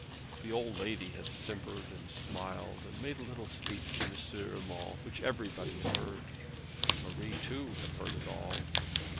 The old lady had simpered and smiled and made a little speech to M. Urmand, which everybody had heard. Marie, too, had heard it all.